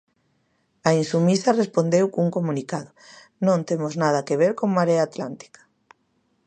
A Insumisa respondeu cun comunicado: Non temos nada que ver con Marea Atlántica.